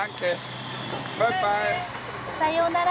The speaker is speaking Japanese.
さようなら。